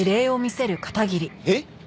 えっ？